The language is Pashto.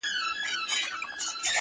زما پر مخ بــانــدي د اوښــــــكــــــو.